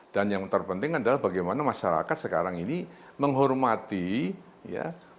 dan yang terpenting adalah bagaimana masyarakat sekarang ini menghormati ya